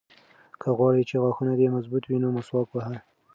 که غواړې چې غاښونه دې مضبوط وي نو مسواک وهه.